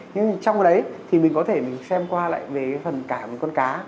nhưng trong đấy thì mình có thể mình xem qua lại về phần cảm của con cá